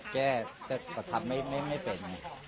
แก้แต่ก็ทำไม่เป็น